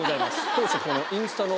当初インスタの。